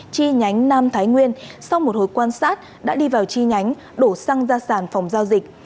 chi nhánh nam thái nguyên sau một hồi quan sát đã đi vào chi nhánh đổ xăng ra sản phòng giao dịch